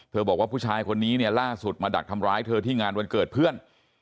บอกว่าผู้ชายคนนี้เนี่ยล่าสุดมาดักทำร้ายเธอที่งานวันเกิดเพื่อน